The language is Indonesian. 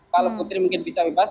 kalau putri mungkin bisa bebas